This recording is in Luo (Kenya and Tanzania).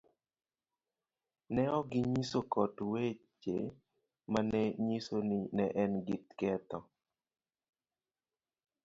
Ne ok ginyiso kot weche ma ne nyiso ni ne en gi ketho